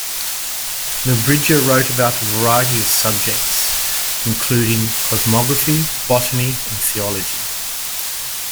Nebrija wrote about a variety of subjects including cosmography, botany and theology.